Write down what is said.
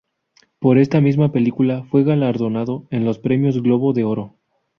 Por esta misma película fue galardonado en los Premios Globo de Oro.